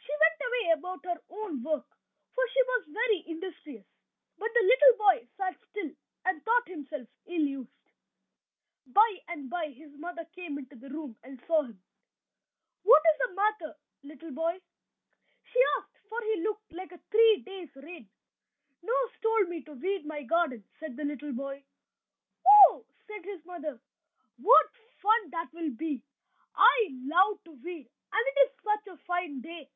She went away about her own work, for she was very industrious; but the little boy sat still, and thought himself ill used. By and by his mother came into the room and saw him. "What is the matter, little boy?" she asked; for he looked like a three days' rain. "Nurse told me to weed my garden," said the little boy. "Oh," said his mother, "what fun that will be! I love to weed, and it is such a fine day!